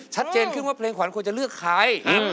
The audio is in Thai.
ชัดเจนขึ้นว่าเพลงขวัญควรจะเลือกใคร